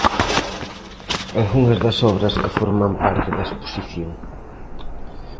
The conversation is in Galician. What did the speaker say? Algunhas das obras que forman parte da exposición.